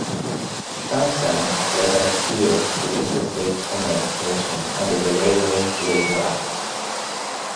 Townsend led an appeal to the Interstate Commerce Commission under the Railway Labor Act.